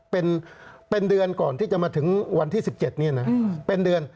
เป็นเดือนก่อนที่จะมาถึงวันที่๑๗เนี่ยนะเป็นเดือน